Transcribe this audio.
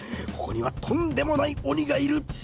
ここにはとんでもない鬼がいる！